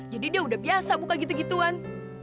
jadi dia udah biasa buka gitu gituan